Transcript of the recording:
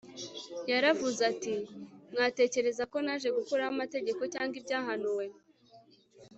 Yaravuze ati Mwitekereza ko naje gukuraho amategeko cyangwa ibyahanuwe